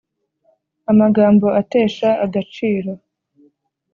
Amagambo atesha agaciro